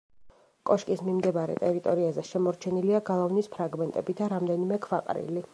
კოშკის მიმდებარე ტერიტორიაზე შემორჩენილია გალავნის ფრაგმენტები და რამდენიმე ქვაყრილი.